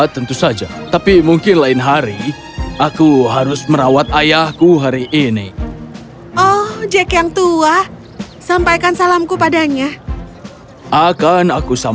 tentu saja akan kusampaikan